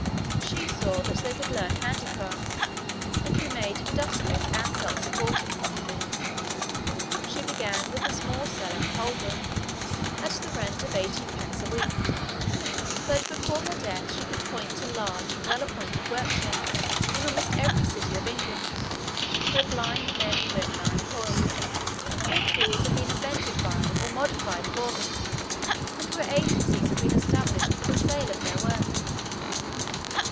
She saw that they could learn handicrafts, and be made industrious and self supporting. She began with a small cellar in Holborn, at the rent of eighteenpence a week, but before her death she could point to large and well appointed workshops in almost every city of England where blind men and women are employed, where tools have been invented by or modified for them, and where agencies have been established for the sale of their work.